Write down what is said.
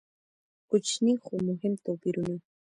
کوچني خو مهم توپیرونه.